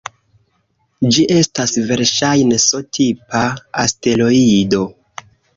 Ĝi estas verŝajne S-tipa asteroido.